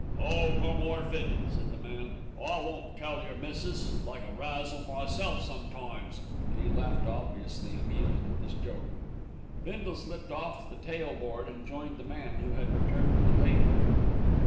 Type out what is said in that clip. "Oh! come orf of it," said the man. "I won't tell your missis. Like a razzle myself sometimes," and he laughed, obviously amused at this joke. Bindle slipped off the tail board and joined the man, who had returned to the pavement.